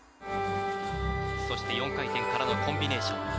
そして、４回転からのコンビネーション。